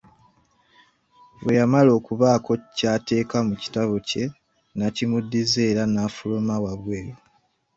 Bwe yamala okubaako ky'ateeka mu kitabo kye, n’akimuddiza era n’afuluma wabweru.